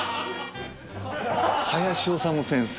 林修先生。